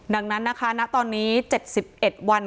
ดังนั้นนะคะณตอนนี้๗๑วัน